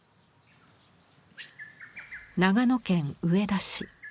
長野県上田市。